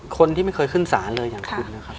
คนที่ไม่เคยขึ้นศาลเลยอย่างคุณนะครับ